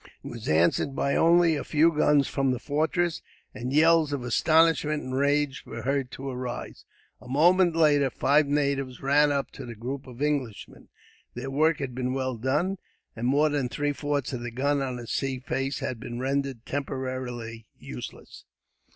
It was answered by only a few guns from the fortress, and yells of astonishment and rage were heard to arise. A moment later, five natives ran up to the group of Englishmen. Their work had been well done, and more than three fourths of the guns on the sea face had been rendered temporarily useless.